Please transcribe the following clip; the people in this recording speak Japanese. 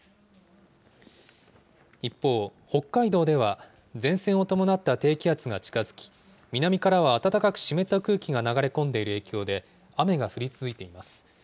一方、北海道では、前線を伴った低気圧が近づき、南からは暖かく湿った空気が流れ込んでいる影響で、雨が降り続いています。